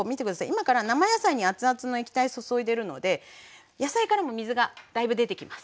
今から生野菜に熱々の液体注いでるので野菜からも水がだいぶ出てきます。